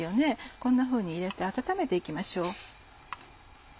こんなふうに入れて温めて行きましょう。